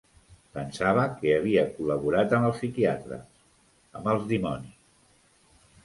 Pensava que havia col·laborat amb els psiquiatres, amb els dimonis.